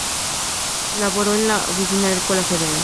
Laboró el la Oficina Agrícola Federal.